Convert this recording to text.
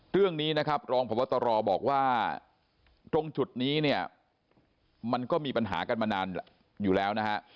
เรื่องนี้นะครับรองพบตรบอกว่าตรงจุดนี้เนี่ยมันก็มีปัญหากันมานานอยู่แล้วนะฮะ